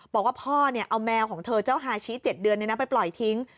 บอกว่าพ่อเอาแมวของเธอเจ้าฮาชิ๗เดือนไปปล่อยทิ้ง